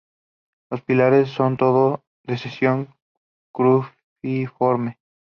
Los pilares son todos de sección cruciforme.